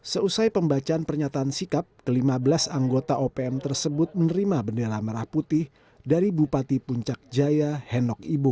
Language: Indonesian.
seusai pembacaan pernyataan sikap ke lima belas anggota opm tersebut menerima bendera merah putih dari bupati puncak jaya henok ibo